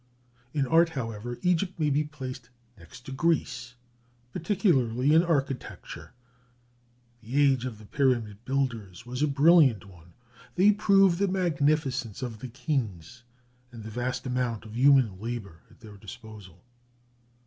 In art, however, Egypt may be placed next to Greece, particularly in architecture. The age of the Pyramid builders was a brilliant one. They prove the magnificence of the kings and the vast amount of human labor at their disposal.